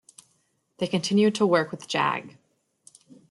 They continue to work with Jag.